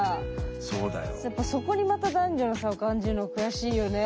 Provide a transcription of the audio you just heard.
やっぱそこにまた男女の差を感じるのは悔しいよね。